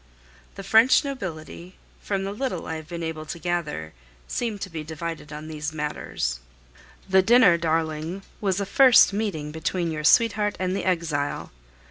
The French nobility, from the little I have been able to gather, seem to be divided on these matters. The dinner, darling, was a first meeting between your sweetheart and the exile.